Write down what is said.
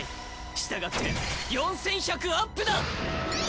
したがって４１００アップだ！